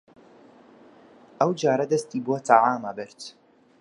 ئەوجارە دەستی بۆ تەعام ئەبرد